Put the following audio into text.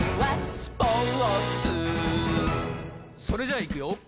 それじゃいくよ